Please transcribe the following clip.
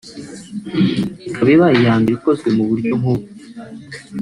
Ikaba ibaye iya mbere ikozwe mu buryo nk’ubu